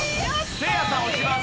せいやさん落ちます。